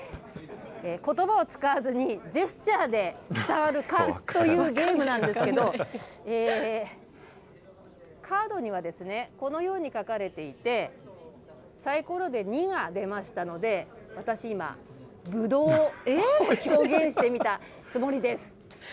ことばを使わずに、ジェスチャーで伝わるかというゲームなんですけど、えー、カードにはですね、このように書かれていて、サイコロで２が出ましたので、私、今、ぶどうを表現してみたつもりです。